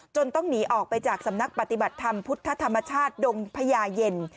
ต้องหนีออกไปจากสำนักปฏิบัติธรรมพุทธธรรมชาติดงพญาเย็น